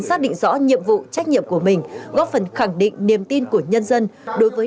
xác định rõ nhiệm vụ trách nhiệm của mình góp phần khẳng định niềm tin của nhân dân đối với